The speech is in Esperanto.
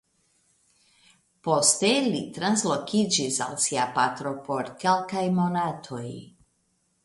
Poste li translokiĝis al sia patro por kelkaj monatoj.